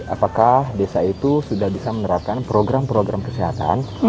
apakah desa itu sudah bisa menerapkan program program kesehatan